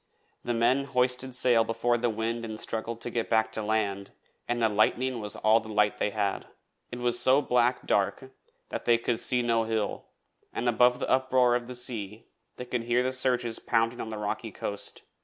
Then the men hoisted sail before the wind and struggled to get back to land, and the lightning was all the light they had. It was so black dark that they could see no hill, and above the uproar of the sea they could hear the surges pounding on the rocky coast.